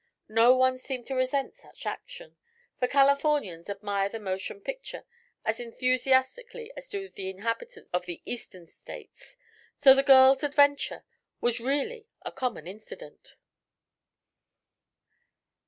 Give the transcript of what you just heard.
No one seemed to resent such action, for Californians admire the motion picture as enthusiastically as do the inhabitants of the Eastern states, so the girls' "adventure" was really a common incident.